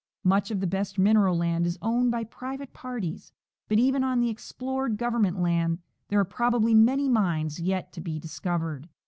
Much of the best mineral land is owned by private parties, but even on the explored Government land tliere are probably many mines yet to be discovered.